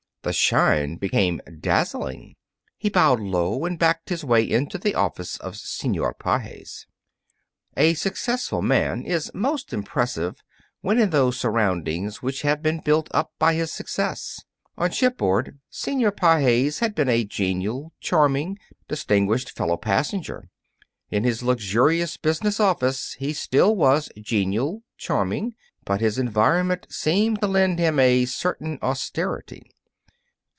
The shine became dazzling. He bowed low and backed his way into the office of Senor Pages. A successful man is most impressive when in those surroundings which have been built up by his success. On shipboard, Senor Pages had been a genial, charming, distinguished fellow passenger. In his luxurious business office he still was genial, charming, but his environment seemed to lend him a certain austerity.